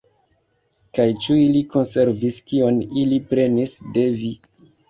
Kaj ĉu ili konservis, kion ili prenis de vi?